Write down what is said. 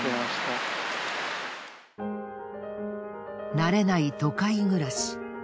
慣れない都会暮らし。